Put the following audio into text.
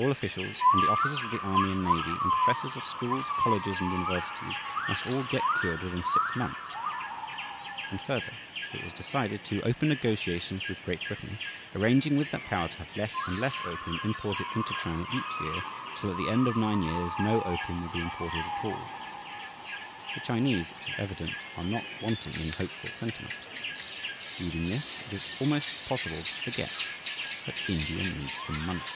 All officials, and the officers of the army and navy, and professors of schools, colleges, and universities, must all get cured within six months." And further, it was decided to "open negotiations with Great Britain, arranging with that power to have less and less opium imported into China each year, till at the end of nine years no opium will be imported at all." The Chinese, it is evident, are not wanting in hopeful sentiment. Reading this, it is almost possible to forget that India needs the money.